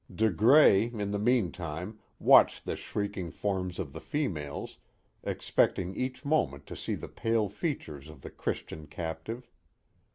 De Grais, in the meantime, watched the shrieking forms of the females, expecting each moment to see the pale features of the Christian captive.